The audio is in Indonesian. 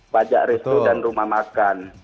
pajak restu dan rumah makan